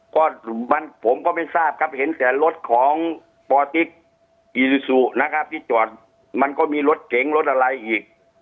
ก็ผมก็ไม่ทราบครับเห็นแต่รถของปติ๊กอีซูซูนะครับที่จอดมันก็มีรถเก๋งรถอะไรอีก